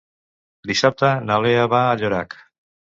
Dissabte na Lea va a Llorac.